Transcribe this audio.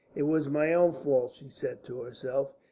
"It was my own fault," she said to herself.